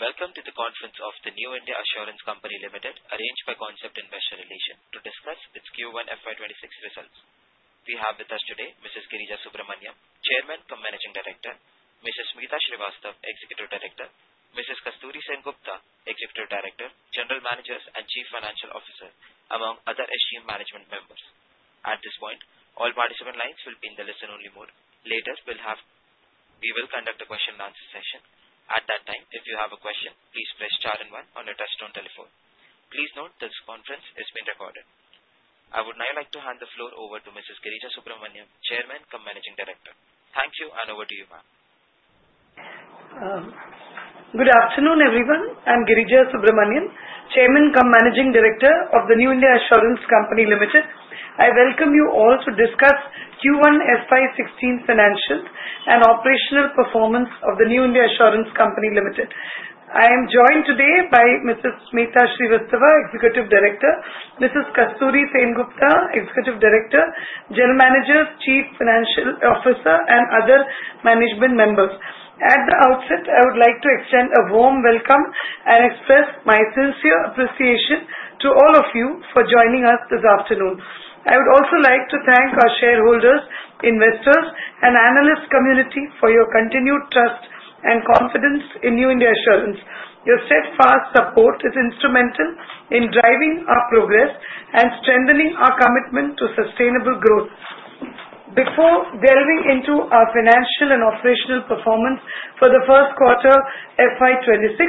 Welcome to the conference of the New India Assurance Company Limited, arranged by Concept Investor Relations, to discuss its Q1 FY'26 results. We have with us today Mrs. Girija Subramanian, Chairman, Managing Director; Mrs. Smita Srivastava, Executive Director; Mrs. Kasturi Sengupta, Executive Director, General Managers, and Chief Financial Officer, among other SGM management members. At this point, all participant lines will be in the listen-only mode. Later, we will conduct a question-and-answer session. At that time, if you have a question, please press star and one on your touch-tone telephone. Please note this conference is being recorded. I would now like to hand the floor over to Mrs. Girija Subramanian, Chairman, Managing Director. Thank you, and over to you, ma'am. Good afternoon, everyone. I'm Girija Subramanian, Chairman, Managing Director of the New India Assurance Company Limited. I welcome you all to discuss Q1 FY '26 financial and operational performance of the New India Assurance Company Limited. I am joined today by Mrs. Smita Srivastava, Executive Director, Mrs. Kasturi Sengupta, Executive Director, General Managers, Chief Financial Officer, and other management members. At the outset, I would like to extend a warm welcome and express my sincere appreciation to all of you for joining us this afternoon. I would also like to thank our shareholders, investors, and analyst community for your continued trust and confidence in New India Assurance. Your steadfast support is instrumental in driving our progress and strengthening our commitment to sustainable growth. Before delving into our financial and operational performance for the first quarter FY26,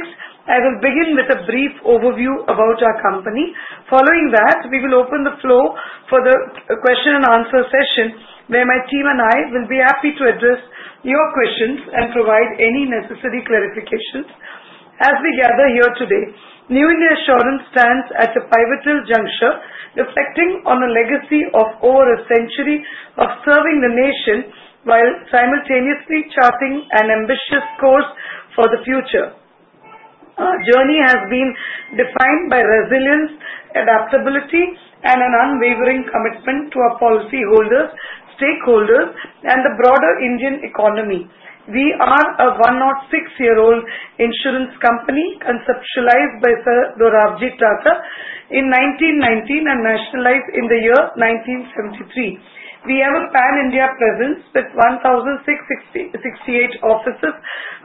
I will begin with a brief overview about our company. Following that, we will open the floor for the question-and-answer session, where my team and I will be happy to address your questions and provide any necessary clarifications. As we gather here today, New India Assurance stands at a pivotal juncture, reflecting on a legacy of over a century of serving the nation while simultaneously charting an ambitious course for the future. Our journey has been defined by resilience, adaptability, and an unwavering commitment to our policyholders, stakeholders, and the broader Indian economy. We are a 106-year-old insurance company conceptualized by Sir Dorabji Tata in 1919 and nationalized in the year 1973. We have a pan-India presence with 1,668 offices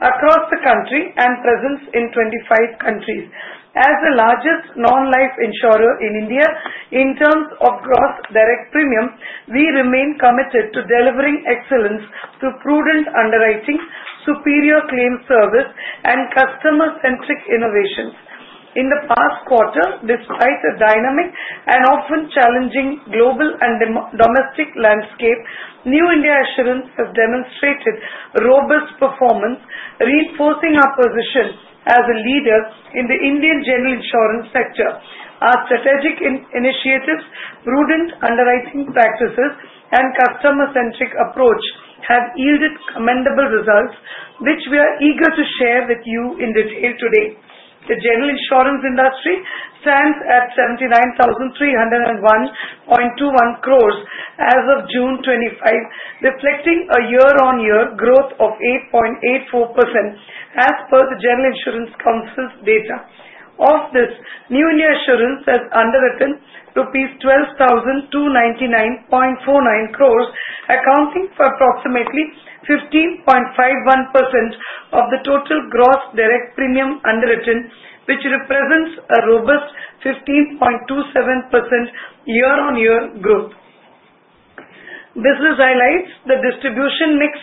across the country and presence in 25 countries. As the largest non-life insurer in India, in terms of gross direct premium, we remain committed to delivering excellence through prudent underwriting, superior claim service, and customer-centric innovations. In the past quarter, despite the dynamic and often challenging global and domestic landscape, New India Assurance has demonstrated robust performance, reinforcing our position as a leader in the Indian general insurance sector. Our strategic initiatives, prudent underwriting practices, and customer-centric approach have yielded commendable results, which we are eager to share with you in detail today. The general insurance industry stands at 79,301.21 crores as of June 25, reflecting a year-on-year growth of 8.84% as per the General Insurance Council's data. Of this, New India Assurance has underwritten INR 12,299.49 crores, accounting for approximately 15.51% of the total gross direct premium underwritten, which represents a robust 15.27% year-on-year growth. This highlights the distribution mix: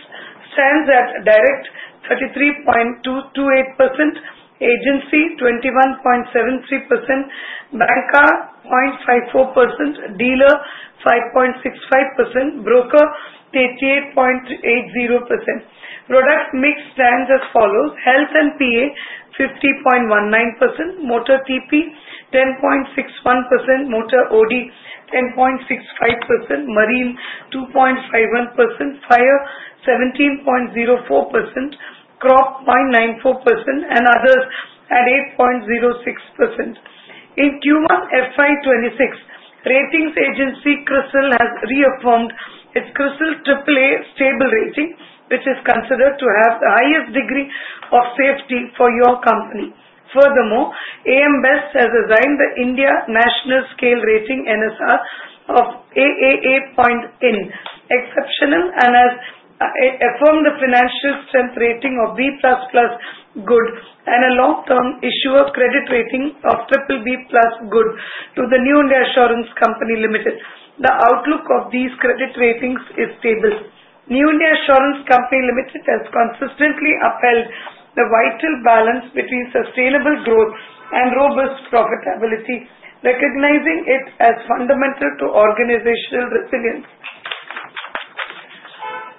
stands at direct 33.28%, agency 21.73%, banker 0.54%, dealer 5.65%, broker 88.80%. Product mix stands as follows: Health and PA 50.19%, Motor TP 10.61%, Motor OD 10.65%, Marine 2.51%, Fire 17.04%, Crop 0.94%, and Others at 8.06%. In Q1 FY26, ratings agency CRISIL has reaffirmed its CRISIL AAA stable rating, which is considered to have the highest degree of safety for your company. Furthermore, AM Best has assigned the India National Scale Rating (NSR) of AAA in Exceptional and has affirmed the Financial Strength Rating of B++ Good and a Long-Term Issuer Credit Rating of BBB+ Good to the New India Assurance Company Limited. The outlook of these credit ratings is stable. New India Assurance Company Limited has consistently upheld the vital balance between sustainable growth and robust profitability, recognizing it as fundamental to organizational resilience.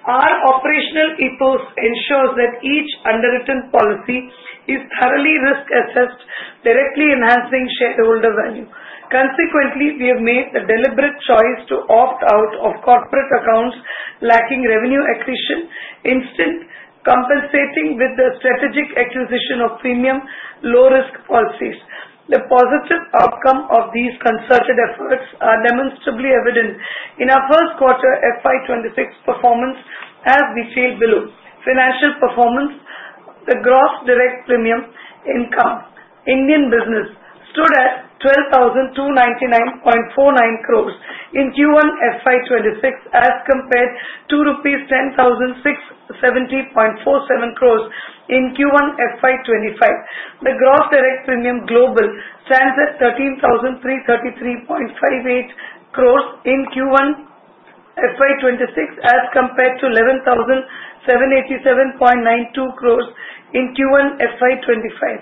Our operational ethos ensures that each underwritten policy is thoroughly risk-assessed, directly enhancing shareholder value. Consequently, we have made the deliberate choice to opt out of corporate accounts lacking revenue accretion, instantly compensating with the strategic acquisition of premium low-risk policies. The positive outcome of these concerted efforts is demonstrably evident in our first quarter FY'26 performance as follows below. Financial performance: the Gross Direct Premium Income Indian business stood at 12,299.49 crores in Q1 FY'26 as compared to ₹10,070.47 crores in Q1 FY'25. The Gross Direct Premium global stands at 13,333.58 crores in Q1 FY26 as compared to 11,787.92 crores in Q1 FY'25.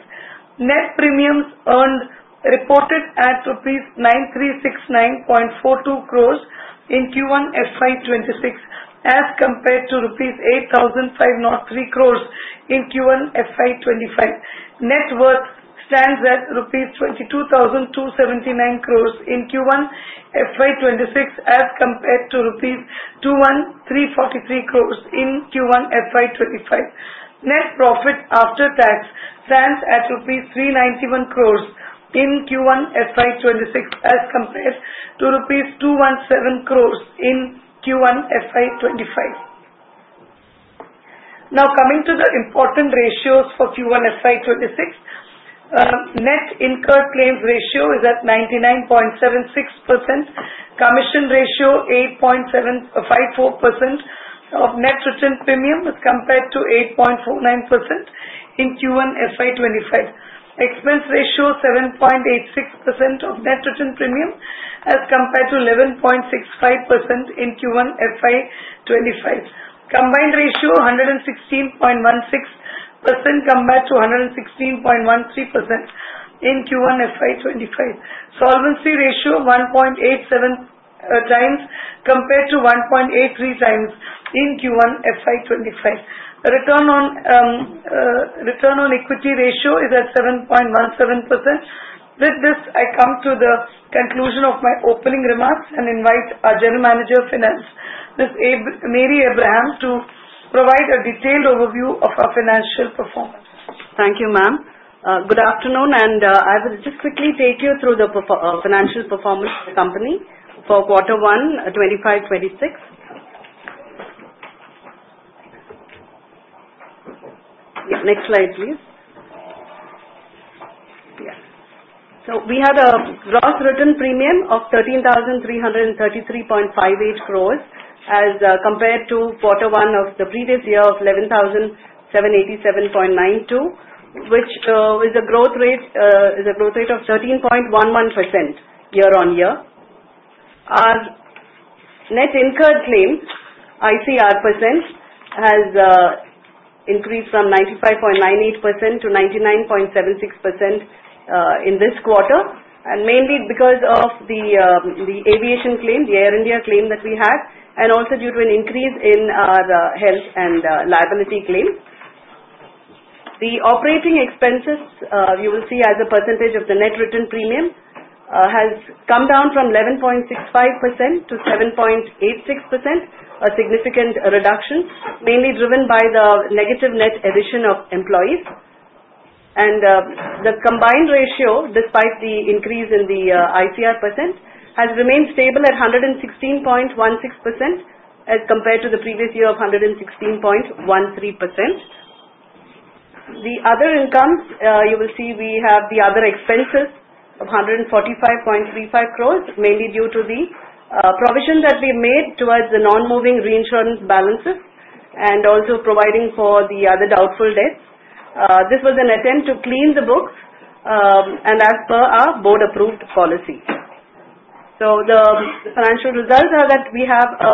Net Premiums Earned reported at ₹9,369.42 crores in Q1 FY'26 as compared to ₹8,503 crores in Q1 FY25. Net Worth stands at ₹22,279 crores in Q1 FY26 as compared to ₹21,343 crores in Q1 FY'25. Net Profit After Tax stands at ₹391 crores in Q1 FY'26 as compared to ₹217 crores in Q1 FY'25. Now coming to the important ratios for Q1 FY'26, net incurred claims ratio is at 99.76%, commission ratio 8.54% of net return premium as compared to 8.49% in Q1 FY'25, expense ratio 7.86% of net return premium as compared to 11.65% in Q1 FY'25, combined ratio 116.16% compared to 116.13% in Q1 FY'25, solvency ratio 1.87 times compared to 1.83 times in Q1 FY'25, return on equity ratio is at 7.17%. With this, I come to the conclusion of my opening remarks and invite our General Manager of Finance, Ms. Mary Abraham, to provide a detailed overview of our financial performance. Thank you, ma'am. Good afternoon, and I will just quickly take you through the financial performance of the company for quarter one, 2025-26. Next slide, please. So we had a gross written premium of 13,333.58 crores as compared to quarter one of the previous year of 11,787.92, which is a growth rate of 13.11% year-on-year. Our net incurred claim, ICR %, has increased from 95.98% to 99.76% in this quarter, and mainly because of the aviation claim, the Air India claim that we had, and also due to an increase in our health and liability claim. The operating expenses, you will see as a percentage of the net earned premium, has come down from 11.65% to 7.86%, a significant reduction, mainly driven by the negative net addition of employees. And the combined ratio, despite the increase in the ICR percent, has remained stable at 116.16% as compared to the previous year of 116.13%. The other incomes, you will see, we have the other expenses of 145.35 crores, mainly due to the provision that we made towards the non-moving reinsurance balances and also providing for the other doubtful debts. This was an attempt to clean the books and as per our board-approved policy. So the financial results are that we have a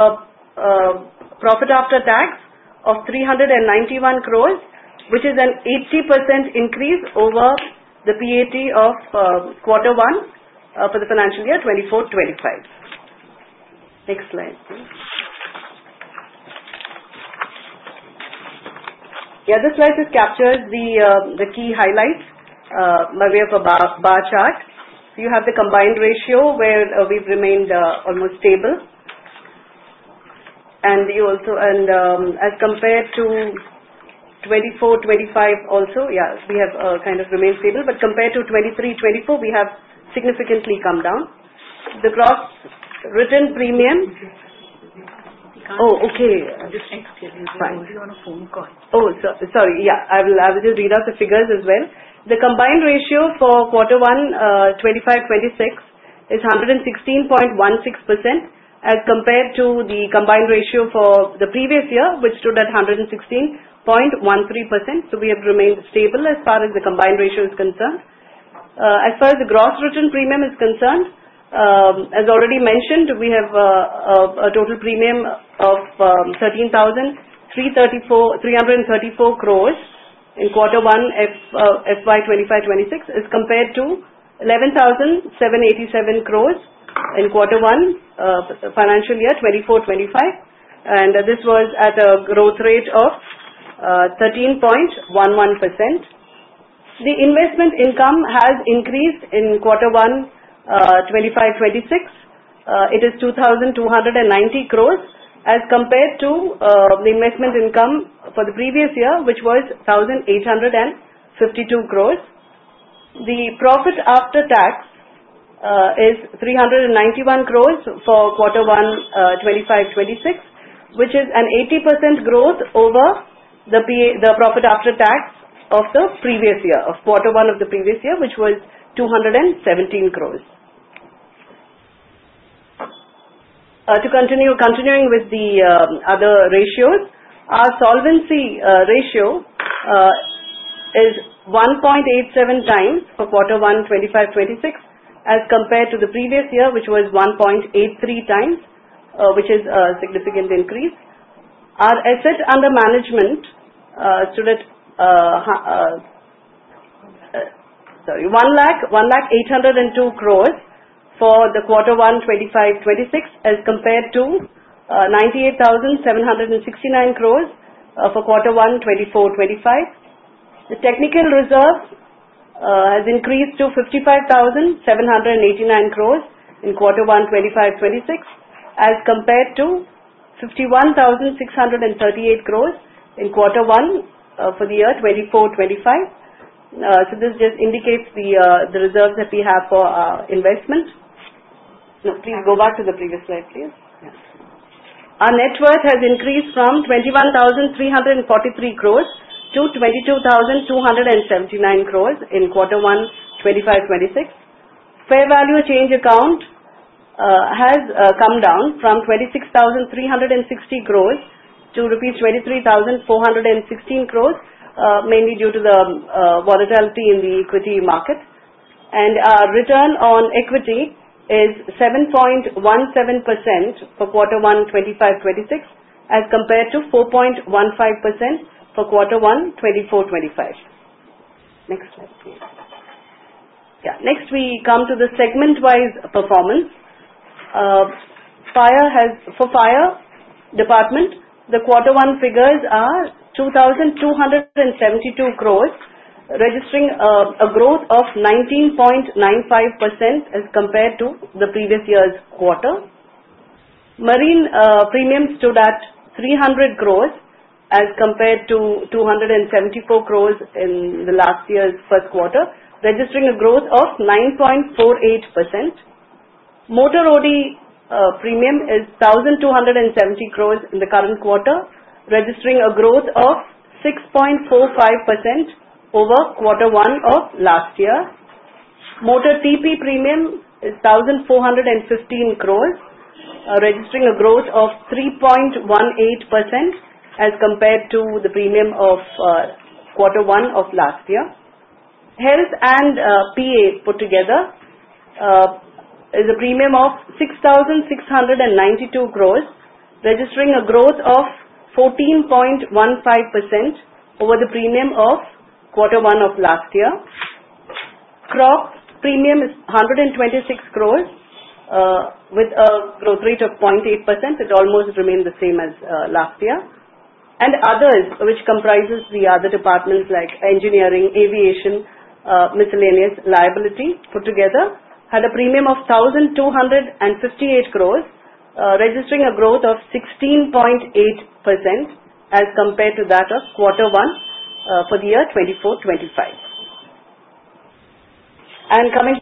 profit after tax of 391 crores, which is an 80% increase over the PAT of quarter one for the financial year 2024-25. Next slide, please. The other slide just captures the key highlights by way of a bar chart. You have the combined ratio where we've remained almost stable, and as compared to 2024-25 also, yeah, we have kind of remained stable. But compared to 2023-24, we have significantly come down. The gross written premium— Oh, okay. Just excuse me. We're on a phone call. Oh, sorry. Yeah, I will just read out the figures as well. The combined ratio for quarter one '25-'26 is 116.16% as compared to the combined ratio for the previous year, which stood at 116.13%. So we have remained stable as far as the combined ratio is concerned. As far as the gross direct premium is concerned, as already mentioned, we have a total premium of 13,334 crores in quarter one FY '25-'26 as compared to 11,787 crores in quarter one financial year 2024-25. And this was at a growth rate of 13.11%. The investment income has increased in quarter one '25-'26. It is 2,290 crores as compared to the investment income for the previous years, which was 1,852 crores. The profit after tax is 391 crores for quarter one '25-'26, which is an 80% growth over the profit after tax of the previous year, of quarter one of the previous year, which was 217 crores. Continuing with the other ratios, our solvency ratio is 1.87 times for quarter one '25-'26 as compared to the previous year, which was 1.83 times, which is a significant increase. Our asset under management stood at, sorry, 1,802 crores for the quarter one 25-26 as compared to 98,769 crores for quarter one 24-25. The technical reserve has increased to 55,789 crores in quarter one '25-'26 as compared to 51,638 crores in quarter one for the year '24-'25. So this just indicates the reserves that we have for our investment. Please go back to the previous slide, please. Our net worth has increased from 21,343 crores to 22,279 crores in quarter one '25-'26. Fair value change account has come down from 26,360 crores to rupees 23,416 crores, mainly due to the volatility in the equity market. And our return on equity is 7.17% for quarter one '25-'26 as compared to 4.15% for quarter one '24-'25. Next slide, please. Yeah, next we come to the segment-wise performance. For Fire, the quarter one figures are 2,272 crores, registering a growth of 19.95% as compared to the previous year's quarter. Marine premium stood at 300 crores as compared to 274 crores in the last year's first quarter, registering a growth of 9.48%. Motor OD premium is 1,270 crores in the current quarter, registering a growth of 6.45% over quarter one of last year. Motor TP premium is 1,415 crores, registering a growth of 3.18% as compared to the premium of quarter one of last year. Health and PA put together is a premium of 6,692 crores, registering a growth of 14.15% over the premium of quarter one of last year. Crop premium is 126 crores with a growth rate of 0.8%. It almost remained the same as last year, and others, which comprises the other departments like engineering, aviation, miscellaneous liability put together, had a premium of 1,258 crores, registering a growth of 16.8% as compared to that of quarter one for the year '24-'25, and coming to.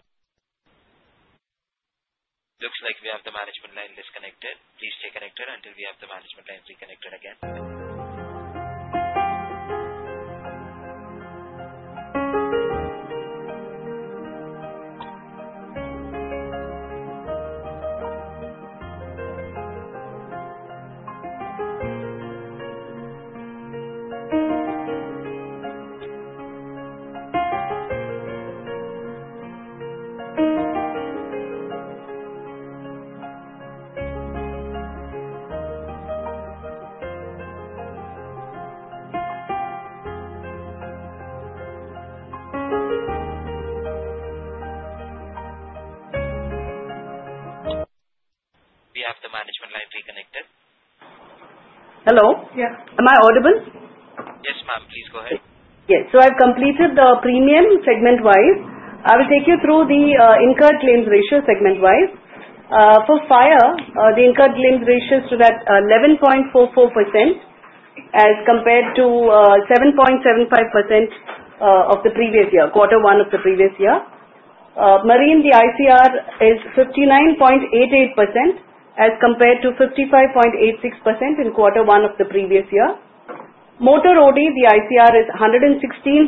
Looks like we have the management line disconnected. Please stay connected until we have the management line reconnected again. We have the management line reconnected. Hello? Yeah. Am I audible? Yes, ma'am. Please go ahead. Yes. So I've completed the premium segment-wise. I will take you through the incurred claims ratio segment-wise. For Fire, the incurred claims ratio stood at 11.44% as compared to 7.75% of the previous year, quarter one of the previous year. Marine, the ICR is 59.88% as compared to 55.86% in quarter one of the previous year. Motor OD, the ICR is 116.35%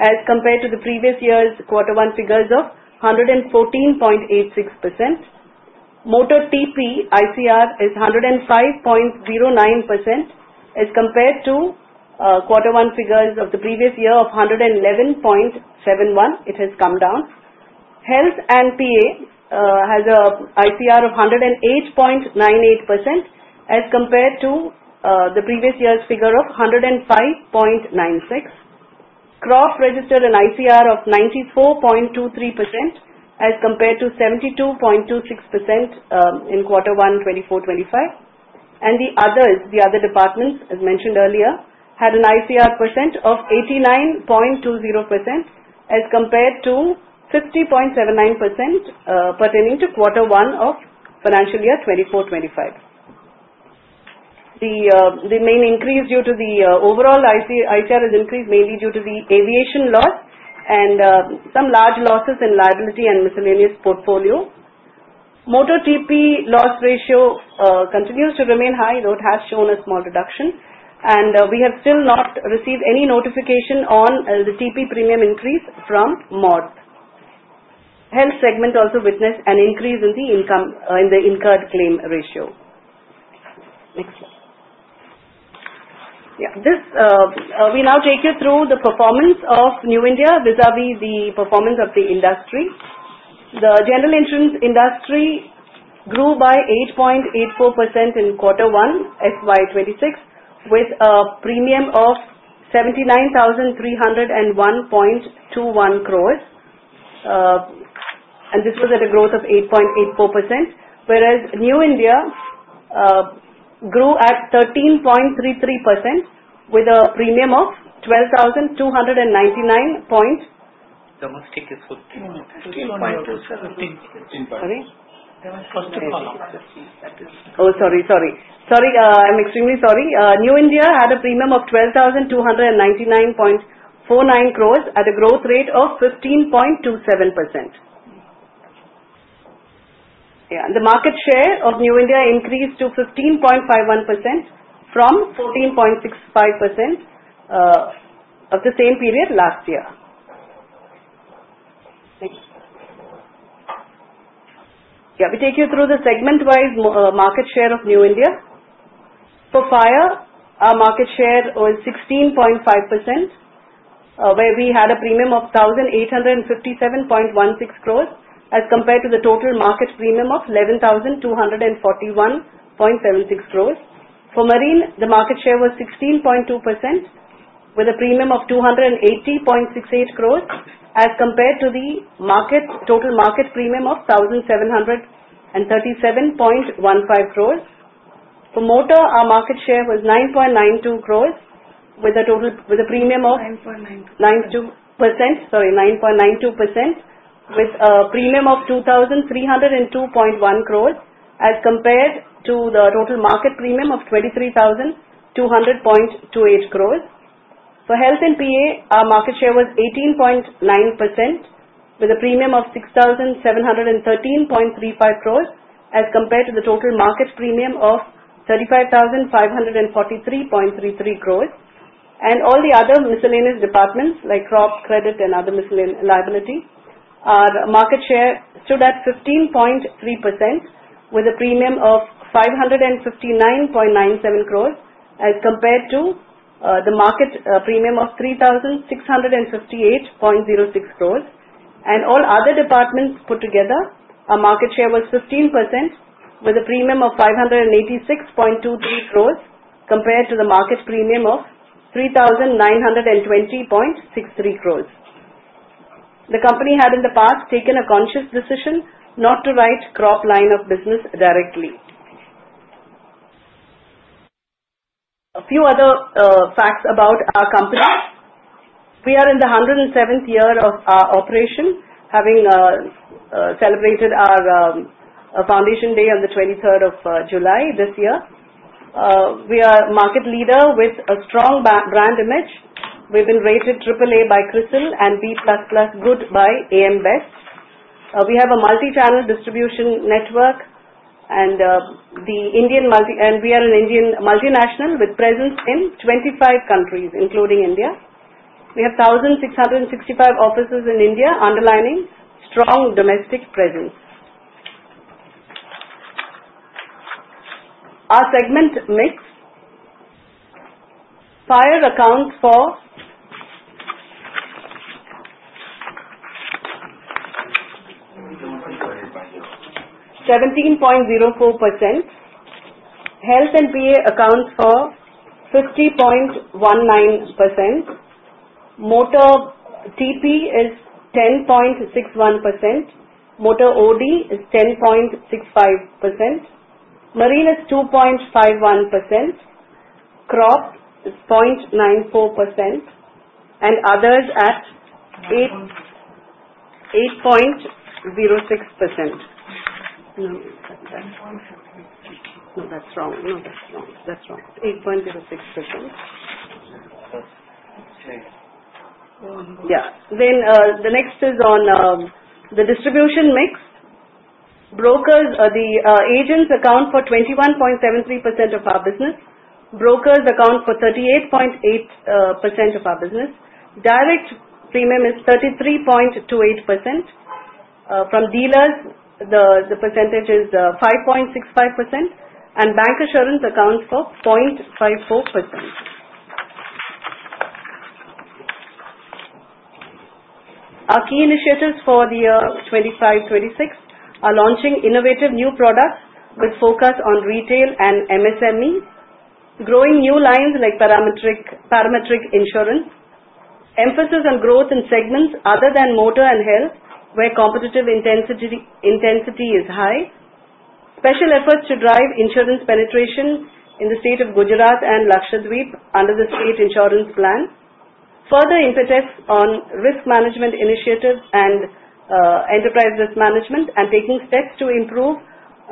as compared to the previous year's quarter one figures of 114.86%. Motor TP, ICR is 105.09% as compared to quarter one figures of the previous year of 111.71%. It has come down. Health and PA has an ICR of 108.98% as compared to the previous year's figure of 105.96%. Crop registered an ICR of 94.23% as compared to 72.26% in quarter one 2024-25. The others, the other departments, as mentioned earlier, had an ICR of 89.20% as compared to 50.79% pertaining to quarter one of financial year 2024-25. The main increase due to the overall ICR has increased mainly due to the aviation loss and some large losses in liability and miscellaneous portfolio. Motor TP loss ratio continues to remain high, though it has shown a small reduction. We have still not received any notification on the TP premium increase from MoRTH. Health segment also witnessed an increase in the incurred claim ratio. Next slide. Yeah, we now take you through the performance of New India vis-à-vis the performance of the industry. The general insurance industry grew by 8.84% in quarter one FY 2026 with a premium of 79,301.21 crores. This was at a growth of 8.84%, whereas New India grew at 13.33% with a premium of 12,299 point. The mistake is 15.27. Sorry. Oh, sorry. Sorry. Sorry. I'm extremely sorry. New India had a premium of 12,299.49 crores at a growth rate of 15.27%. Yeah, and the market share of New India increased to 15.51% from 14.65% of the same period last year. Thank you. Yeah, we take you through the segment-wise market share of New India. For Fire, our market share was 16.5%, where we had a premium of 1,857.16 crores as compared to the total market premium of 11,241.76 crores. For Marine, the market share was 16.2% with a premium of 280.68 crores as compared to the total market premium of 1,737.15 crores. For Motor, our market share was 9.92% with a premium of. 9.92. 9.92%, sorry, 9.92% with a premium of 2,302.1 crores as compared to the total market premium of 23,200.28 crores. For Health and PA, our market share was 18.9% with a premium of 6,713.35 crores as compared to the total market premium of 35,543.33 crores. And all the other miscellaneous departments like Crop, Credit, and other miscellaneous liability, our market share stood at 15.3% with a premium of 559.97 crores as compared to the market premium of 3,658.06 crores. And all other departments put together, our market share was 15% with a premium of 586.23 crores compared to the market premium of 3,920.63 crores. The company had in the past taken a conscious decision not to write Crop line of business directly. A few other facts about our company. We are in the 107th year of our operation, having celebrated our foundation day on the 23rd of July this year. We are a market leader with a strong brand image. We've been rated AAA by CRISIL and B++ Good by AM Best. We have a multi-channel distribution network, and we are an Indian multinational with presence in 25 countries, including India. We have 1,665 offices in India, underlining strong domestic presence. Our segment mix. Fire accounts for 17.04%. Health and PA accounts for 50.19%. Motor TP is 10.61%. Motor OD is 10.65%. Marine is 2.51%. Crop is 0.94%. And others at 8.06%. No, that's wrong. No, that's wrong. That's wrong. 8.06%. Yeah. Then the next is on the distribution mix. Brokers, the agents account for 21.73% of our business. Brokers account for 38.8% of our business. Direct premium is 33.28%. From dealers, the percentage is 5.65%. And bancassurance accounts for 0.54%. Our key initiatives for the year '25-'26 are launching innovative new products with focus on retail and MSMEs, growing new lines like parametric insurance, emphasis on growth in segments other than Motor and Health, where competitive intensity is high, special efforts to drive insurance penetration in the state of Gujarat and Lakshadweep under the State Insurance Plan, further impetus on risk management initiatives and enterprise risk management, and taking steps to improve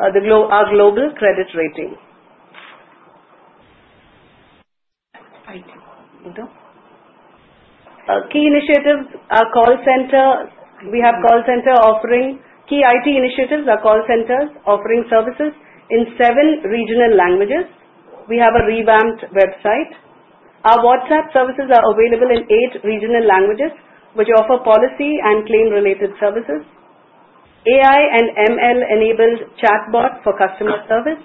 our global credit rating. Key initiatives, our call center. We have call center offering key IT initiatives, our call centers offering services in seven regional languages. We have a revamped website. Our WhatsApp services are available in eight regional languages, which offer policy and claim-related services. AI and ML-enabled chatbot for customer service.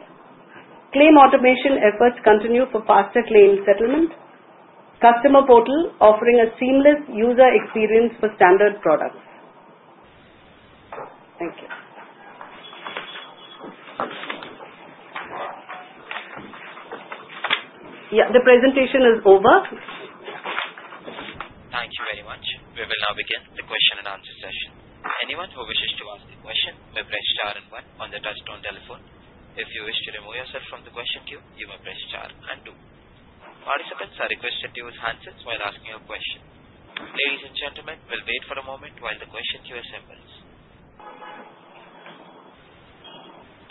Claim automation efforts continue for faster claim settlement. Customer portal offering a seamless user experience for standard products. Thank you. Yeah, the presentation is over. Thank you very much. We will now begin the question and answer session. Anyone who wishes to ask a question may press star and one on the touch-tone telephone. If you wish to remove yourself from the question queue, you may press star and two. Participants are requested to use handsets while asking a question. Ladies and gentlemen, we'll wait for a moment while the question queue assembles.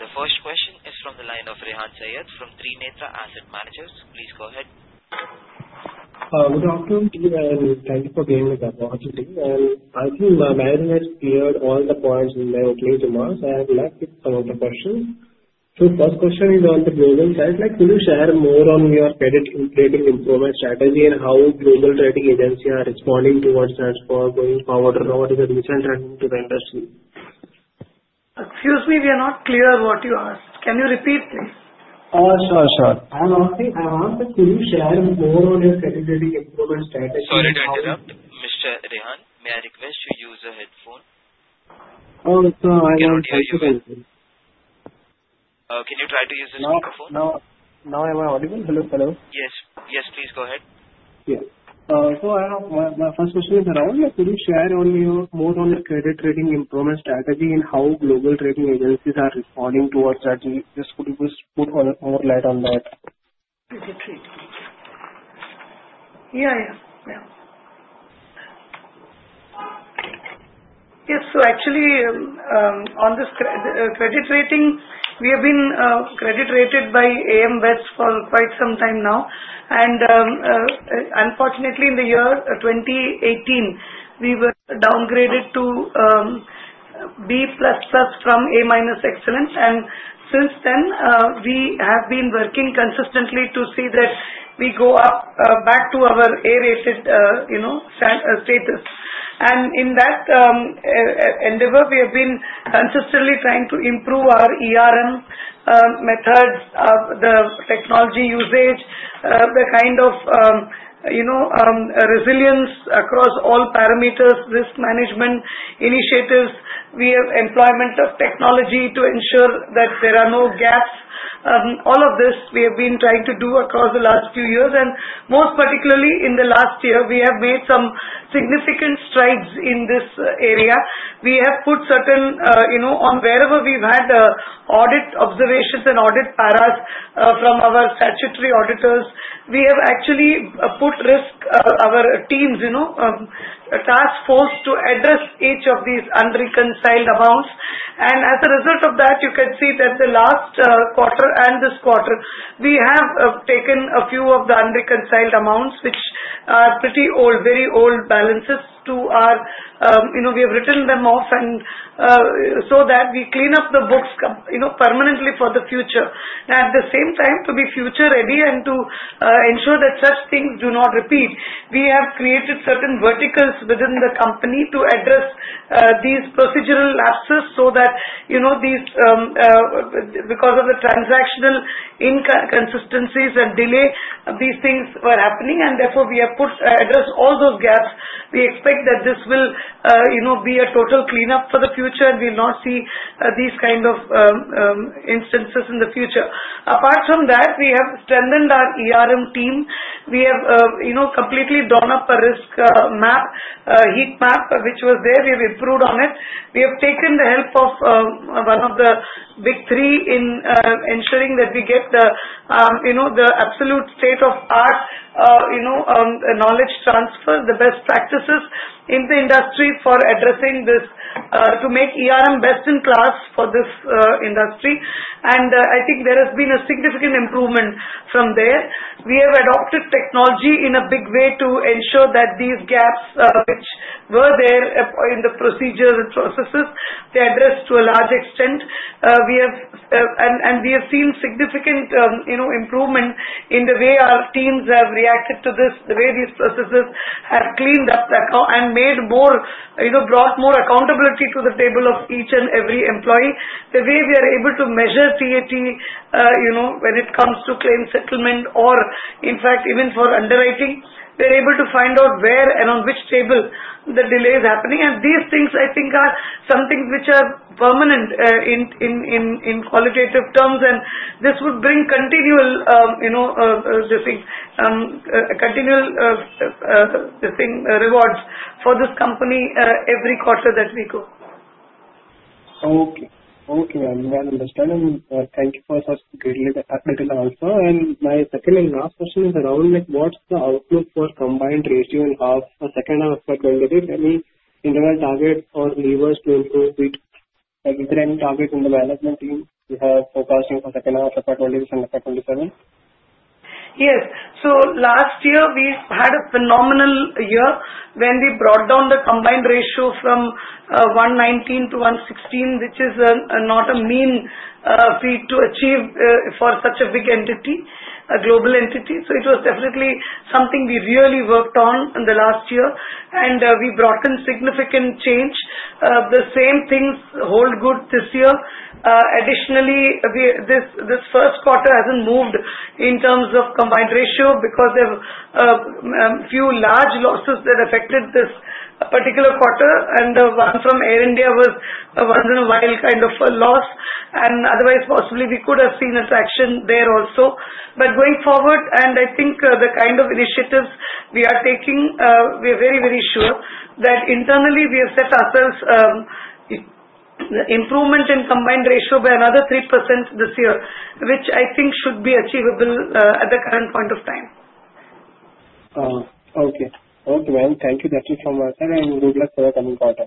The first question is from the line of Rehan Syed from Trinetra Asset Management. Please go ahead. Good afternoon, and thank you for being with us all today. And I think Mary ma'am has cleared all the points in my opening remarks. I have left with some of the questions. So first question is on the global side. Like, will you share more on your credit-rating improvement strategy and how global rating agencies are responding towards that for going forward or what is the recent trend to the industry? Excuse me, we are not clear what you asked. Can you repeat, please? Sure, sure. I want to, could you share more on your credit-rating improvement strategy? Sorry to interrupt, Mr. Rehan, may I request you use a headphone? Oh, so I want to. Can you try to use this microphone? No, no, no. I have my audible. Hello, hello. Yes. Yes, please go ahead. Yes. So I have my first question is around, like, could you share only more on the credit-rating improvement strategy and how global rating agencies are responding towards that? Just could you just put more light on that? Yeah, yeah, yeah. Yes, so actually, on this credit rating, we have been credit-rated by AM Best for quite some time now, and unfortunately, in the year 2018, we were downgraded to B++ from A minus excellent, and since then, we have been working consistently to see that we go up back to our A-rated status, and in that endeavor, we have been consistently trying to improve our methods, the technology usage, the kind of resilience across all parameters, risk management initiatives, employment of technology to ensure that there are no gaps. All of this we have been trying to do across the last few years, and most particularly, in the last year, we have made some significant strides in this area. We have put controls on wherever we've had audit observations and audit paras from our statutory auditors. We have actually put our risk teams task force to address each of these unreconciled amounts. As a result of that, you can see that the last quarter and this quarter, we have taken a few of the unreconciled amounts, which are pretty old, very old balances we have written them off and so that we clean up the books permanently for the future. At the same time, to be future-ready and to ensure that such things do not repeat, we have created certain verticals within the company to address these procedural lapses so that these, because of the transactional inconsistencies and delay, these things were happening. Therefore, we have put in place to address all those gaps. We expect that this will be a total cleanup for the future and we'll not see these kind of instances in the future. Apart from that, we have strengthened our team. We have completely done up our risk map, heat map, which was there. We have improved on it. We have taken the help of one of the big three in ensuring that we get the absolute state-of-the-art knowledge transfer, the best practices in the industry for addressing this to make best-in-class for this industry. I think there has been a significant improvement from there. We have adopted technology in a big way to ensure that these gaps, which were there in the procedures and processes, they address to a large extent. We have seen significant improvement in the way our teams have reacted to this, the way these processes have cleaned up the account and made, brought more accountability to the table of each and every employee. The way we are able to measure TAT when it comes to claim settlement or, in fact, even for underwriting, we're able to find out where and on which table the delay is happening. These things, I think, are some things which are permanent in qualitative terms. This would bring continual rewards for this company every quarter that we go. Okay. Okay. I'm well understanding. Thank you for such greatly the tactical also. And my second and last question is around what's the outlook for combined ratio and half for second half FY '25? Any internal targets or levers to improve with? Is there any target in the management team you have forecasting for second half FY '25 and FY '27? Yes. So last year, we had a phenomenal year when we brought down the combined ratio from 119 to 116, which is not a mean feat to achieve for such a big entity, a global entity. So it was definitely something we really worked on in the last year. And we brought in significant change. The same things hold good this year. Additionally, this first quarter hasn't moved in terms of combined ratio because there were a few large losses that affected this particular quarter. And the one from Air India was a once-in-a-while kind of loss. And otherwise, possibly, we could have seen a traction there also. But going forward, and I think the kind of initiatives we are taking, we are very, very sure that internally, we have set ourselves improvement in combined ratio by another 3% this year, which I think should be achievable at the current point of time. Okay. Okay. Well, thank you, Mrs. Subramanian, and good luck for the coming quarter.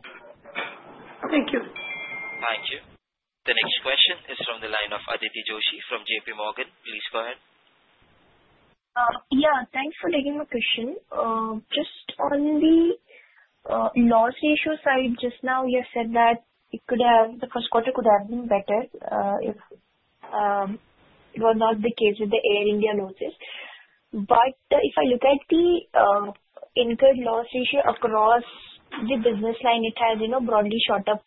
Thank you. Thank you. The next question is from the line of Aditi Joshi from JPMorgan. Please go ahead. Yeah. Thanks for taking my question. Just on the loss ratio side, just now you said that the first quarter could have been better if it was not for the Air India losses. But if I look at the incurred loss ratio across the business line, it has broadly shot up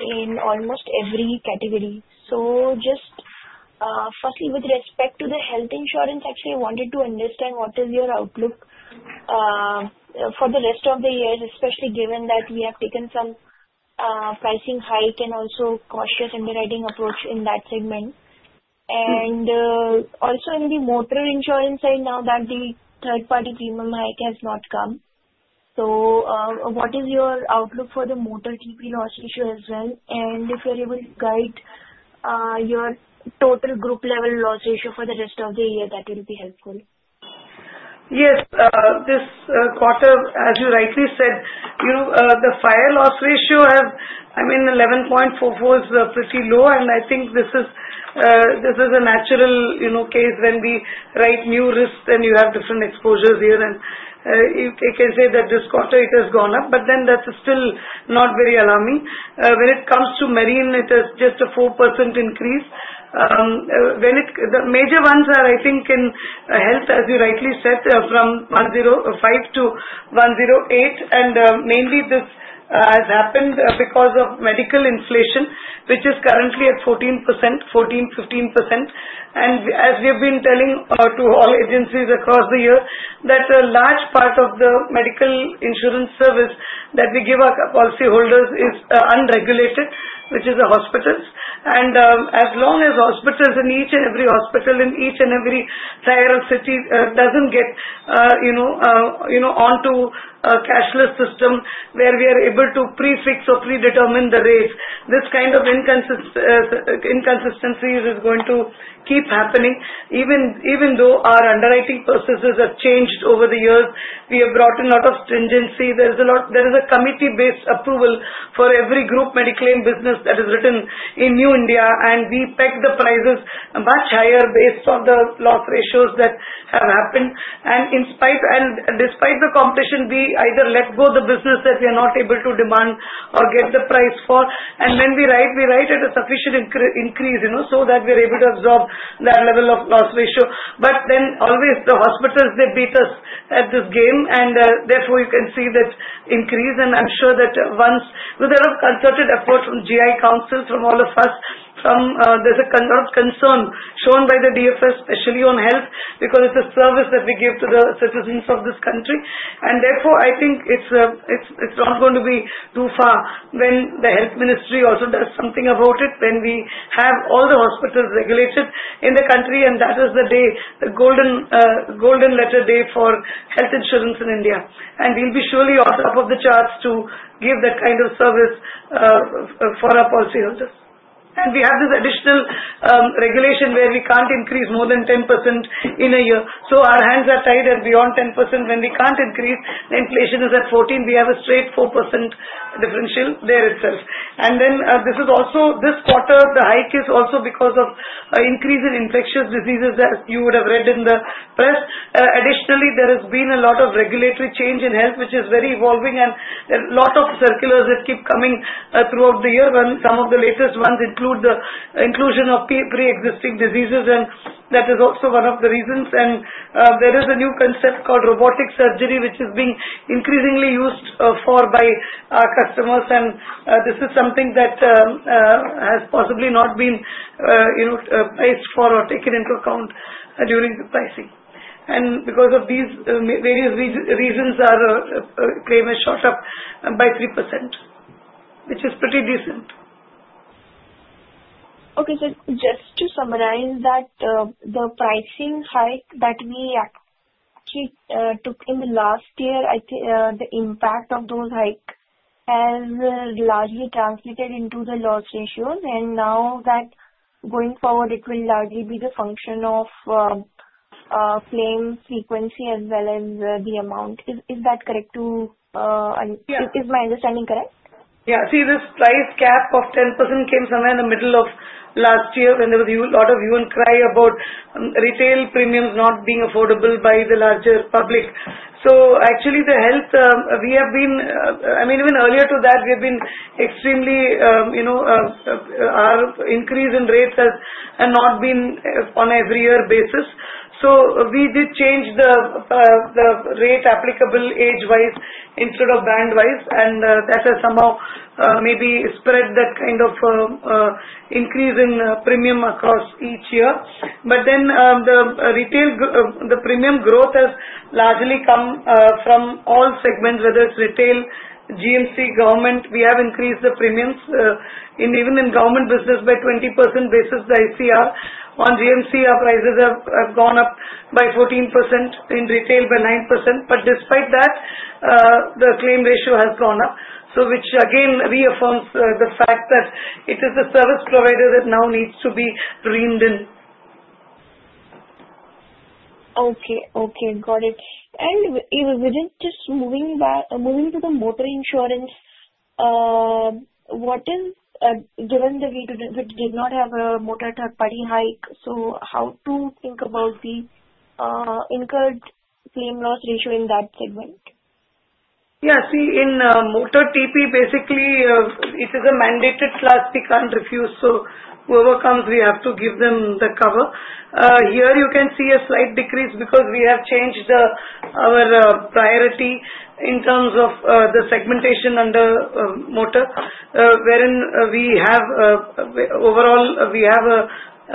in almost every category. So just firstly, with respect to the health insurance, actually, I wanted to understand what is your outlook for the rest of the year, especially given that we have taken some pricing hike and also cautious underwriting approach in that segment. And also in the motor insurance side, now that the third-party premium hike has not come, so what is your outlook for the motor TP loss ratio as well? If you're able to guide your total group-level loss ratio for the rest of the year, that will be helpful. Yes. This quarter, as you rightly said, the fire loss ratio has, I mean, 11.44 is pretty low. And I think this is a natural case when we write new risks and you have different exposures here. And you can say that this quarter, it has gone up, but then that's still not very alarming. When it comes to marine, it is just a 4% increase. The major ones are, I think, in health, as you rightly said, from 105 to 108. And mainly, this has happened because of medical inflation, which is currently at 14%-15%. And as we have been telling to all agencies across the year, that a large part of the medical insurance service that we give our policyholders is unregulated, which is the hospitals. As long as hospitals in each and every tier of city doesn't get onto a cashless system where we are able to prefix or predetermine the rates, this kind of inconsistency is going to keep happening. Even though our underwriting processes have changed over the years, we have brought in a lot of stringency. There is a committee-based approval for every group medical business that is written in New India. We peg the prices much higher based on the loss ratios that have happened. Despite the competition, we either let go of the business that we are not able to demand or get the price for. When we write, we write at a sufficient increase so that we are able to absorb that level of loss ratio. But then always, the hospitals, they beat us at this game. And therefore, you can see that increase. And I'm sure that once with a lot of concerted effort from GI councils, from all of us, there's a lot of concern shown by the DFS, especially on health, because it's a service that we give to the citizens of this country. And therefore, I think it's not going to be too far when the health ministry also does something about it when we have all the hospitals regulated in the country. And that is the golden letter day for health insurance in India. And we'll be surely on top of the charts to give that kind of service for our policyholders. And we have this additional regulation where we can't increase more than 10% in a year. So our hands are tied at beyond 10%. When we can't increase, the inflation is at 14%. We have a straight 4% differential there itself, and then this is also this quarter, the hike is also because of an increase in infectious diseases, as you would have read in the press. Additionally, there has been a lot of regulatory change in health, which is very evolving, and there are a lot of circulars that keep coming throughout the year when some of the latest ones include the inclusion of pre-existing diseases, and that is also one of the reasons, and there is a new concept called robotic surgery, which is being increasingly used by customers, and this is something that has possibly not been priced for or taken into account during the pricing, and because of these various reasons, claim has shot up by 3%, which is pretty decent. Okay. So just to summarize that, the pricing hike that we actually took in the last year, I think the impact of those hikes has largely translated into the loss ratios. And now that going forward, it will largely be the function of claim frequency as well as the amount. Is that correct too? Yeah. Is my understanding correct? Yeah. See, this price gap of 10% came somewhere in the middle of last year when there was a lot of hue and cry about retail premiums not being affordable by the larger public. So actually, the health, we have been I mean, even earlier to that, we have been extremely our increase in rates has not been on an every-year basis. So we did change the rate applicable age-wise instead of band-wise. And that has somehow maybe spread that kind of increase in premium across each year. But then the retail premium growth has largely come from all segments, whether it's retail, GMC, government. We have increased the premiums even in government business by 20% basis. The ICR on GMC, our prices have gone up by 14%, in retail by 9%. But despite that, the claim ratio has gone up, which again reaffirms the fact that it is the service provider that now needs to be reined in. Okay. Got it. And just moving to the motor insurance, given that we did not have a motor third-party hike, so how to think about the incurred claims ratio in that segment? Yeah. See, in motor TP, basically, it is a mandated class we can't refuse. So whoever comes, we have to give them the cover. Here, you can see a slight decrease because we have changed our priority in terms of the segmentation under motor, wherein we have overall, we have a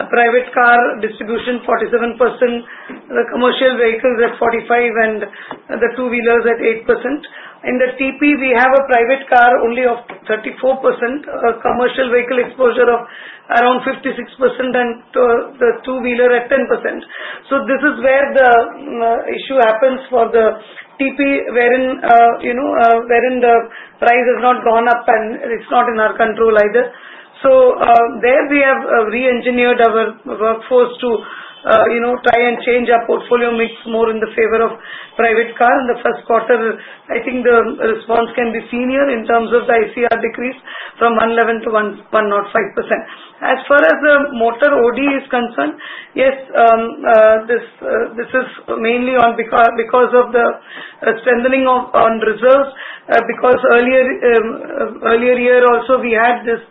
private car distribution, 47%, the commercial vehicles at 45%, and the two-wheelers at 8%. In the TP, we have a private car only of 34%, a commercial vehicle exposure of around 56%, and the two-wheeler at 10%. So this is where the issue happens for the TP, wherein the price has not gone up, and it's not in our control either. So there, we have re-engineered our workforce to try and change our portfolio mix more in the favor of private car. In the first quarter, I think the response can be seen here in terms of the ICR decrease from 111 to 105%. As far as the motor OD is concerned, yes, this is mainly because of the strengthening on reserves. Because earlier year also, we had this.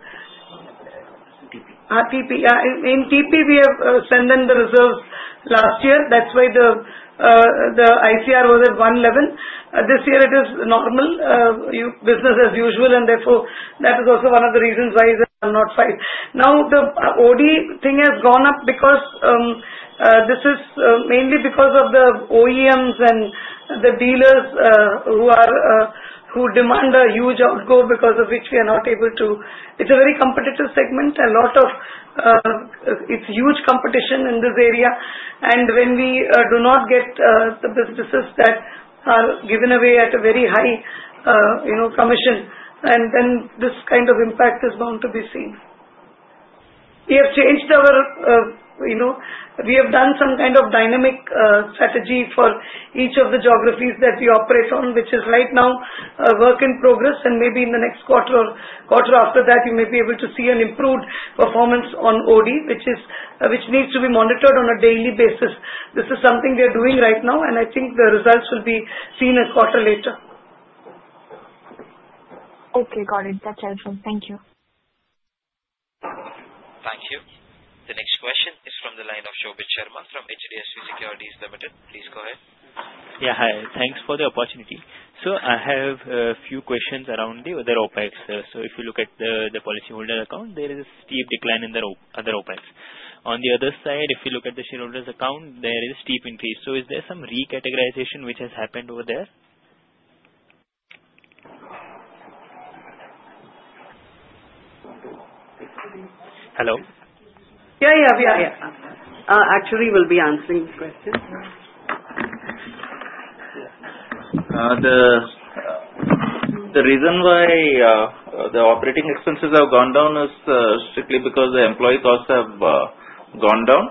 TP. TP. Yeah. In TP, we have strengthened the reserves last year. That's why the ICR was at 111%. This year, it is normal business as usual. And therefore, that is also one of the reasons why it is at 105%. Now, the OD thing has gone up because this is mainly because of the OEMs and the dealers who demand a huge outgo because of which we are not able to. It's a very competitive segment. It's huge competition in this area. And when we do not get the businesses that are given away at a very high commission, then this kind of impact is bound to be seen. We have done some kind of dynamic strategy for each of the geographies that we operate on, which is right now a work in progress. Maybe in the next quarter or quarter after that, you may be able to see an improved performance on OD, which needs to be monitored on a daily basis. This is something we are doing right now. I think the results will be seen a quarter later. Okay. Got it. That's helpful. Thank you. Thank you. The next question is from the line of Shobhit Sharma from HDFC Securities Limited. Please go ahead. Yeah. Hi. Thanks for the opportunity. So I have a few questions around the other OpEx. So if you look at the policyholder account, there is a steep decline in the other OpEx. On the other side, if you look at the shareholders' account, there is a steep increase. So is there some recategorization which has happened over there? Hello? Yeah. We are here. Actually, we'll be answering the question. The reason why the operating expenses have gone down is strictly because the employee costs have gone down.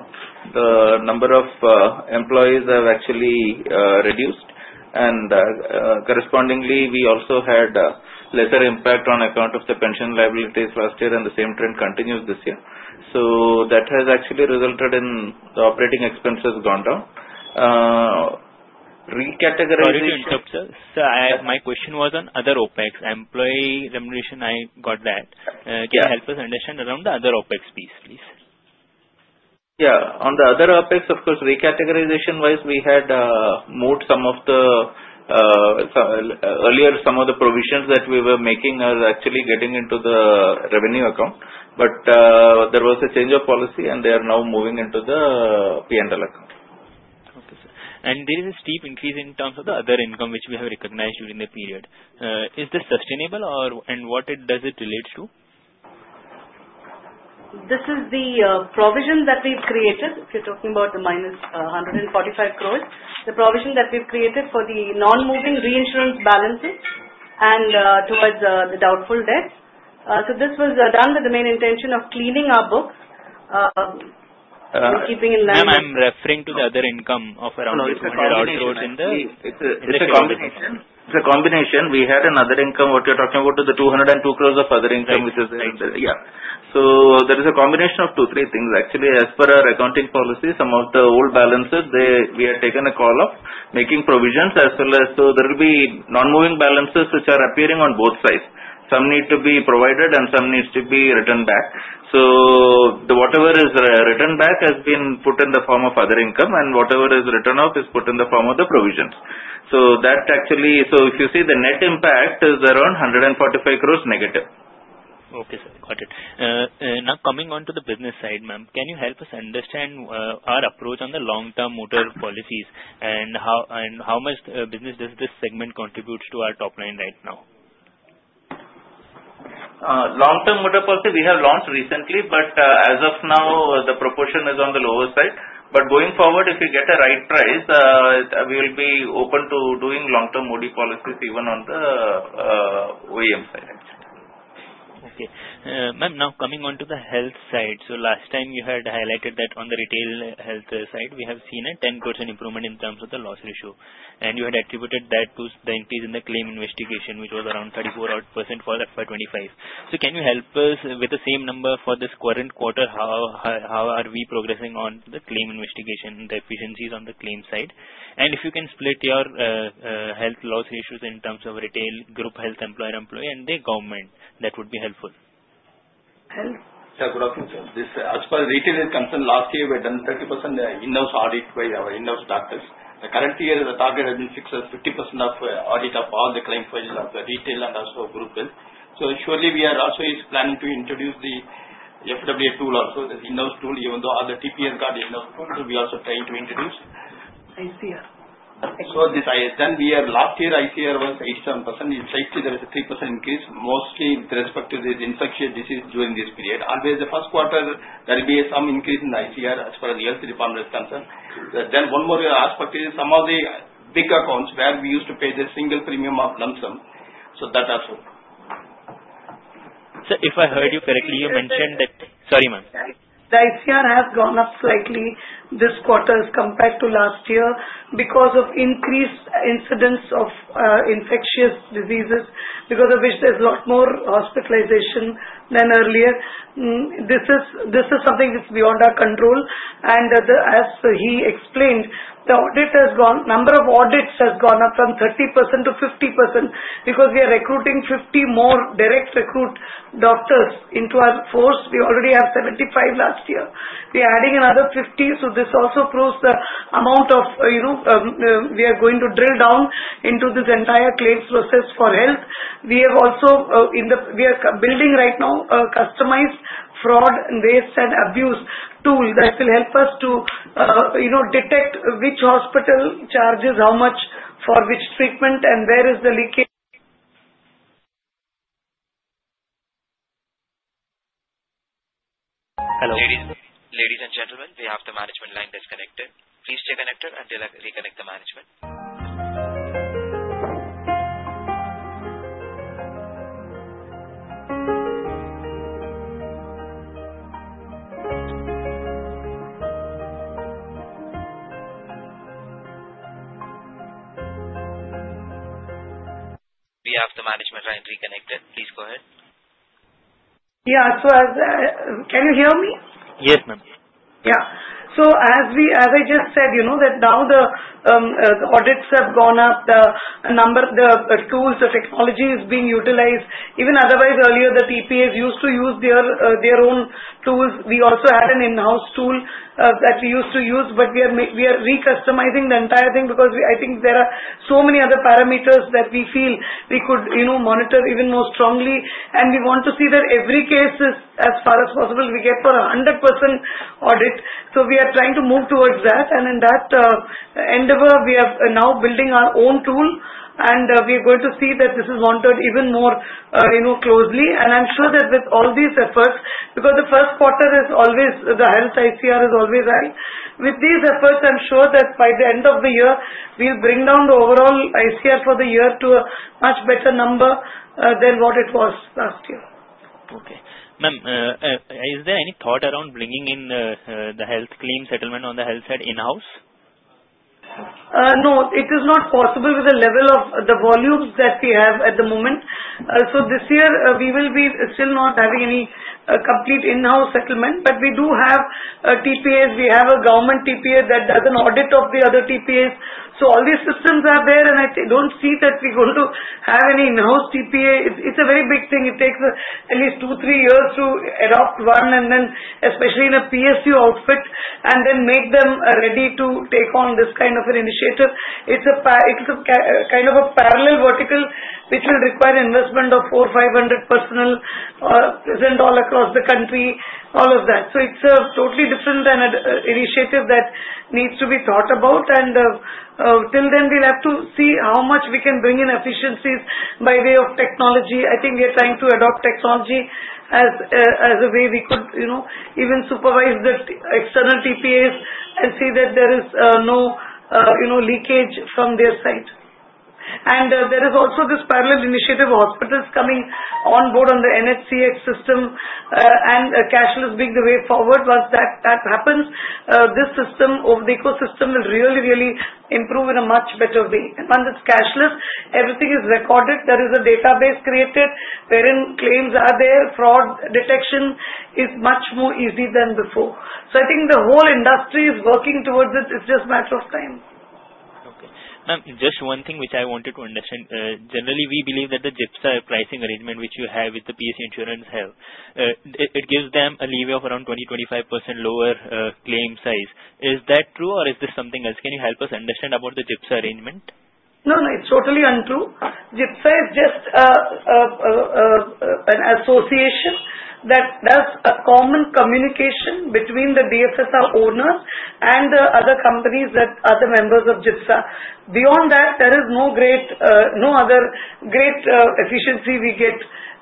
The number of employees have actually reduced, and correspondingly, we also had a lesser impact on account of the pension liabilities last year, and the same trend continues this year, so that has actually resulted in the operating expenses gone down. Recategorization. Sorry to interrupt. So my question was on other OpEx. Employee remuneration, I got that. Can you help us understand around the other OpEx piece, please? Yeah. On the other OpEx, of course, recategorization-wise, we had moved some of the provisions that we were making are actually getting into the revenue account. But there was a change of policy, and they are now moving into the P&L account. Okay. And there is a steep increase in terms of the other income which we have recognized during the period. Is this sustainable, and what does it relate to? This is the provision that we've created. If you're talking about the -145 crores, the provision that we've created for the non-moving reinsurance balances and towards the doubtful debts. So this was done with the main intention of cleaning our books and keeping in line. I'm referring to the other income of around 200-odd crores in the. It's a combination. We had another income, what you're talking about, to the 202 crores of other income, which is the. So there is a combination of two, three things. Actually, as per our accounting policy, some of the old balances, we have taken a call of making provisions as well as so there will be non-moving balances which are appearing on both sides. Some need to be provided, and some needs to be written back. So whatever is written back has been put in the form of other income, and whatever is written off is put in the form of the provisions. So if you see, the net impact is around 145 crores negative. Okay. Got it. Now, coming on to the business side, ma'am, can you help us understand our approach on the long-term motor policies and how much business does this segment contribute to our top line right now? Long-term motor policy, we have launched recently, but as of now, the proportion is on the lower side. But going forward, if you get a right price, we will be open to doing long-term OD policies even on the OEM side, actually. Okay. Ma'am, now coming on to the health side. So last time, you had highlighted that on the retail health side, we have seen a 10% improvement in terms of the loss ratio. And you had attributed that to the increase in the claim investigation, which was around 34% for 25. So can you help us with the same number for this current quarter? How are we progressing on the claim investigation, the efficiencies on the claim side? And if you can split your health loss ratios in terms of retail, group health, employer-employee, and the government, that would be helpful. Hello. Yeah. Good afternoon, sir. As per retail income, last year, we had done 30% in-house audit by our in-house doctors. The current year, the target has been fixed as 50% of audit of all the claims of retail and also group health. So surely, we are also planning to introduce the FWA tool also, the in-house tool, even though other TP has got in-house tools. We are also trying to introduce. ICR. So then last year, ICR was 87%. In health, there was a 3% increase, mostly with respect to the infectious disease during this period. Always, the first quarter, there will be some increase in the ICR as far as the health department is concerned. Then one more aspect is some of the big accounts where we used to pay the single premium or lump sum. So that also. Sir, if I heard you correctly, you mentioned that sorry, ma'am. The ICR has gone up slightly this quarter as compared to last year because of increased incidence of infectious diseases, because of which there's a lot more hospitalization than earlier. This is something that's beyond our control. And as he explained, the number of audits has gone up from 30% to 50% because we are recruiting 50 more direct recruit doctors into our force. We already have 75 last year. We are adding another 50. So this also proves the amount of we are going to drill down into this entire claims process for health. We are also building right now a customized fraud, waste, and abuse tool that will help us to detect which hospital charges how much for which treatment and where is the leakage. Hello. Ladies and gentlemen, we have the management line disconnected. Please reconnect and reconnect the management. We have the management line reconnected. Please go ahead. Yeah, so can you hear me? Yes, ma'am. Yeah, so as I just said, now the audits have gone up. The tools, the technology is being utilized. Even otherwise, earlier, the TPs used to use their own tools. We also had an in-house tool that we used to use, but we are recustomizing the entire thing because I think there are so many other parameters that we feel we could monitor even more strongly, and we want to see that every case is, as far as possible, we get for a 100% audit, so we are trying to move towards that, and in that endeavor, we are now building our own tool, and we are going to see that this is monitored even more closely, and I'm sure that with all these efforts because the first quarter is always the health ICR is always high. With these efforts, I'm sure that by the end of the year, we'll bring down the overall ICR for the year to a much better number than what it was last year. Okay. Ma'am, is there any thought around bringing in the health claim settlement on the health side in-house? No. It is not possible with the level of the volumes that we have at the moment. So this year, we will be still not having any complete in-house settlement. But we do have TPs. We have a government TP that does an audit of the other TPs. So all these systems are there, and I don't see that we're going to have any in-house TP. It's a very big thing. It takes at least two, three years to adopt one, and then especially in a PSU outfit, and then make them ready to take on this kind of an initiative. It's kind of a parallel vertical, which will require investment of 400-500 personnel present all across the country, all of that. So it's a totally different initiative that needs to be thought about. And till then, we'll have to see how much we can bring in efficiencies by way of technology. I think we are trying to adopt technology as a way we could even supervise the external TPs and see that there is no leakage from their side. And there is also this parallel initiative of hospitals coming on board on the NHCX system. And cashless being the way forward, once that happens, this system, the ecosystem will really, really improve in a much better way. And once it's cashless, everything is recorded. There is a database created wherein claims are there. Fraud detection is much more easy than before. So I think the whole industry is working towards it. It's just a matter of time. Okay. Ma'am, just one thing which I wanted to understand. Generally, we believe that the GIPSA pricing arrangement which you have with the PSU insurance health, it gives them a leeway of around 20%-25% lower claim size. Is that true, or is this something else? Can you help us understand about the GIPSA arrangement? No, no. It's totally untrue. GIPSA is just an association that does a common communication between the DFS owners and the other companies that are the members of GIPSA. Beyond that, there is no other great efficiency we get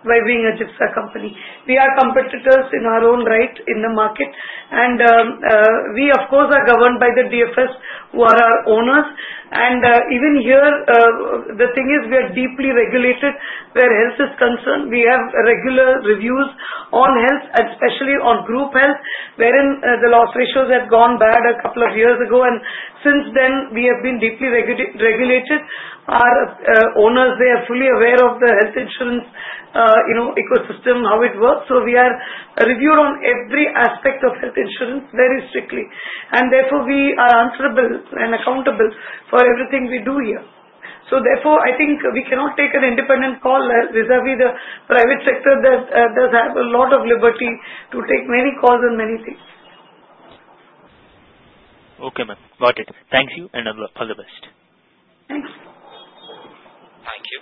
by being a GIPSA company. We are competitors in our own right in the market. And we, of course, are governed by the DFS who are our owners. And even here, the thing is we are deeply regulated where health is concerned. We have regular reviews on health, especially on group health, wherein the loss ratios have gone bad a couple of years ago. And since then, we have been deeply regulated. Our owners, they are fully aware of the health insurance ecosystem, how it works. So we are reviewed on every aspect of health insurance very strictly. And therefore, we are answerable and accountable for everything we do here. So therefore, I think we cannot take an independent call vis-à-vis the private sector that does have a lot of liberty to take many calls on many things. Okay, ma'am. Got it. Thank you and all the best. Thanks. Thank you.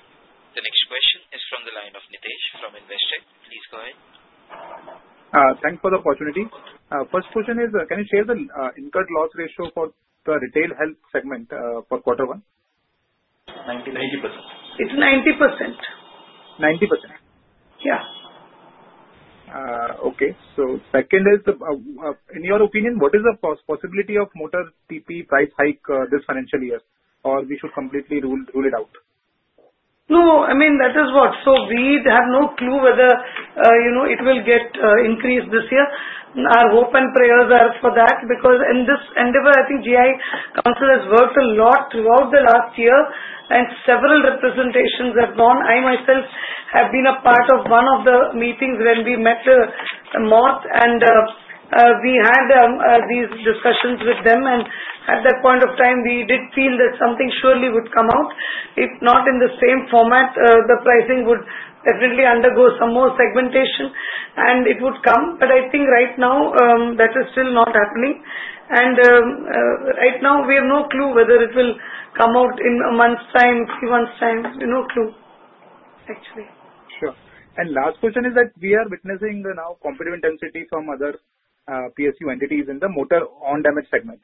The next question is from the line of Nitesh from Investec. Please go ahead. Thanks for the opportunity. First question is, can you share the incurred loss ratio for the retail health segment for quarter one? 90%. It's 90%. 90%. Yeah. Okay. So second is, in your opinion, what is the possibility of motor TP price hike this financial year, or we should completely rule it out? No. I mean, that is what. So we have no clue whether it will get increased this year. Our hope and prayers are for that because in this endeavor, I think GI Council has worked a lot throughout the last year. And several representations have gone. I myself have been a part of one of the meetings when we met the MoRTH, and we had these discussions with them. And at that point of time, we did feel that something surely would come out. If not in the same format, the pricing would definitely undergo some more segmentation, and it would come. But I think right now, that is still not happening. And right now, we have no clue whether it will come out in a month's time, few months' time. We have no clue, actually. Sure. And the last question is that we are witnessing now competitive intensity from other PSU entities in the motor own damage segment.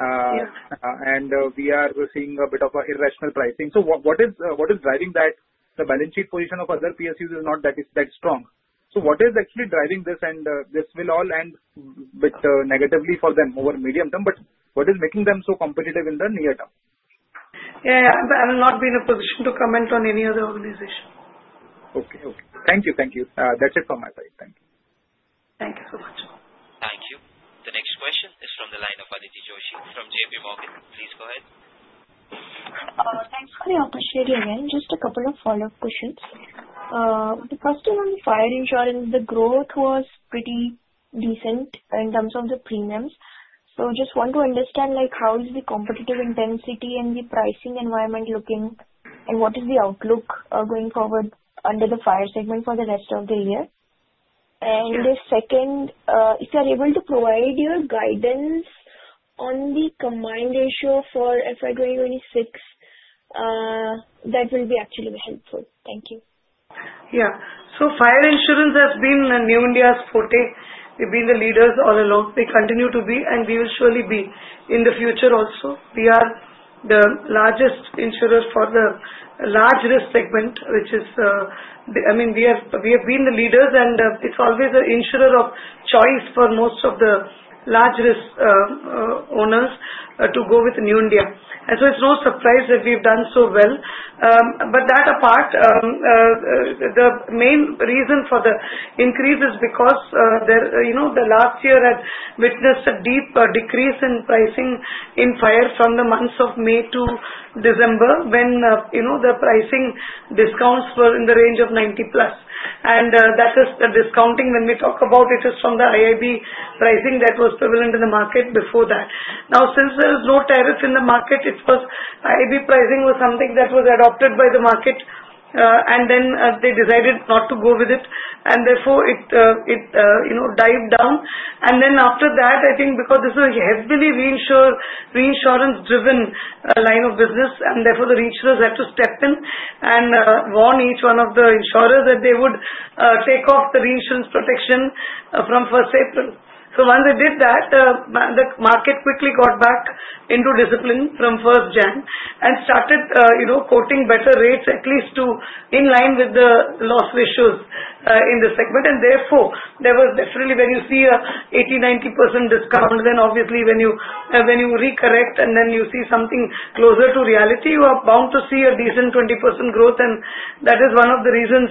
And we are seeing a bit of irrational pricing. So what is driving that? The balance sheet position of other PSUs is not that strong. So what is actually driving this? And this will all end negatively for them over medium term. But what is making them so competitive in the near term? Yeah. I've not been in a position to comment on any other organization. Okay. Okay. Thank you. Thank you. That's it from my side. Thank you. Thank you so much. Thank you. The next question is from the line of Aditi Joshi from JPMorgan. Please go ahead. Thanks for the opportunity again. Just a couple of follow-up questions. The first one on the fire insurance, the growth was pretty decent in terms of the premiums. So just want to understand how is the competitive intensity and the pricing environment looking, and what is the outlook going forward under the fire segment for the rest of the year? And second, if you are able to provide your guidance on the combined ratio for FY 2026, that will be actually helpful. Thank you. Yeah. So fire insurance has been New India's forte. We've been the leaders all along. We continue to be, and we will surely be in the future also. We are the largest insurer for the large risk segment, which is, I mean, we have been the leaders, and it's always the insurer of choice for most of the large risk owners to go with New India. And so it's no surprise that we've done so well. But that apart, the main reason for the increase is because the last year had witnessed a deep decrease in pricing in fire from the months of May to December when the pricing discounts were in the range of 90 plus. And that is the discounting. When we talk about it, it is from the IIB pricing that was prevalent in the market before that. Now, since there is no tariff in the market, IIB pricing was something that was adopted by the market, and then they decided not to go with it. And therefore, it dived down. And then after that, I think because this is a heavily reinsurance-driven line of business, and therefore, the reinsurers had to step in and warn each one of the insurers that they would take off the reinsurance protection from 1st April. So once they did that, the market quickly got back into discipline from 1st January and started quoting better rates, at least in line with the loss ratios in the segment. And therefore, there was definitely when you see an 80%-90% discount, then obviously when you recorrect and then you see something closer to reality, you are bound to see a decent 20% growth. And that is one of the reasons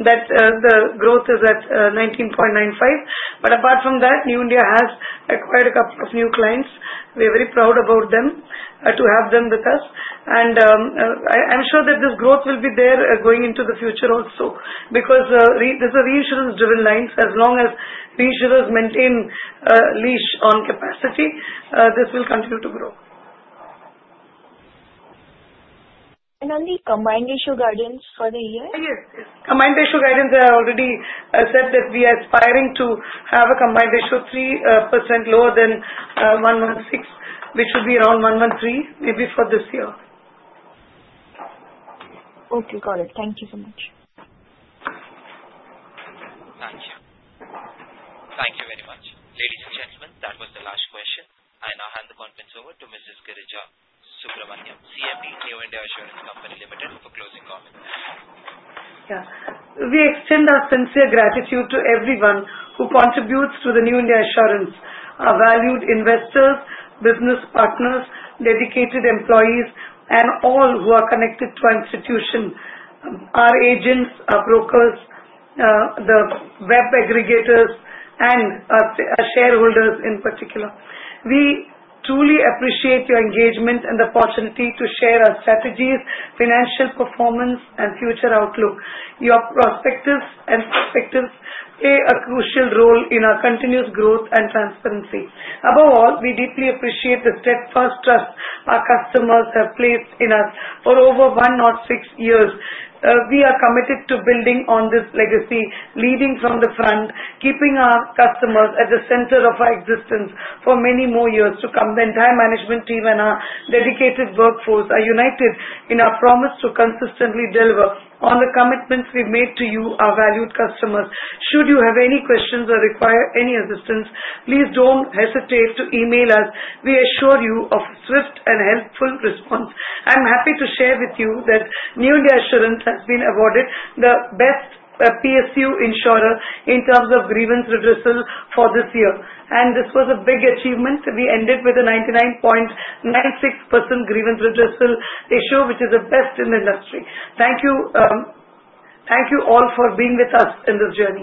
that the growth is at 19.95%. But apart from that, New India has acquired a couple of new clients. We are very proud about them to have them with us. And I'm sure that this growth will be there going into the future also because these are reinsurance-driven lines. As long as reinsurers maintain leash on capacity, this will continue to grow. On the Combined Ratio guidance for the year? Yes. Combined Ratio guidance, I already said that we are aspiring to have a Combined Ratio 3% lower than 116, which would be around 113 maybe for this year. Okay. Got it. Thank you so much. Thank you. Thank you very much. Ladies and gentlemen, that was the last question. And I hand the conference over to Mrs. Girija Subramanian, CMD, New India Assurance Company Limited, for closing comments. Yeah. We extend our sincere gratitude to everyone who contributes to the New India Assurance: valued investors, business partners, dedicated employees, and all who are connected to our institution, our agents, our brokers, the web aggregators, and our shareholders in particular. We truly appreciate your engagement and the opportunity to share our strategies, financial performance, and future outlook. Your prospects and perspectives play a crucial role in our continuous growth and transparency. Above all, we deeply appreciate the steadfast trust our customers have placed in us for over 106 years. We are committed to building on this legacy, leading from the front, keeping our customers at the center of our existence for many more years to come. The entire management team and our dedicated workforce are united in our promise to consistently deliver on the commitments we've made to you, our valued customers. Should you have any questions or require any assistance, please don't hesitate to email us. We assure you of a swift and helpful response. I'm happy to share with you that New India Assurance has been awarded the best PSU insurer in terms of grievance redressal for this year. And this was a big achievement. We ended with a 99.96% grievance redressal ratio, which is the best in the industry. Thank you all for being with us in this journey.